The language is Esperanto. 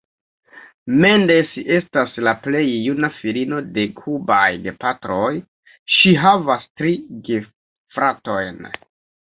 Mendes estas la plej juna filino de kubaj gepatroj, ŝi havas tri gefratojn.